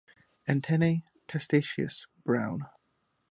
Antennae testaceous brown.